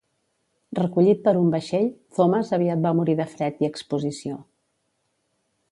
Recollit per un vaixell, Thomas aviat va morir de fred i exposició.